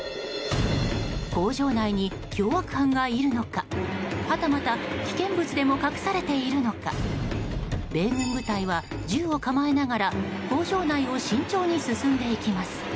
工場内に凶悪犯がいるのかはたまた危険物でも隠されているのか米軍部隊は銃を構えながら工場内を慎重に進んでいきます。